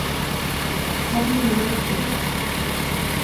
হারি ভাইয়ার ছেলে।